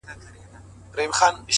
• یوه خولگۍ خو مسته، راته جناب راکه،